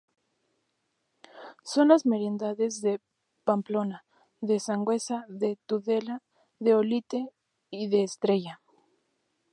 Son las merindades de Pamplona, de Sangüesa, de Tudela, de Olite y de Estella.